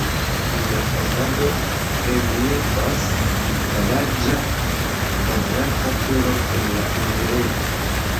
En la fasado reliefas la larĝa kvadrata turo kun la enirejo.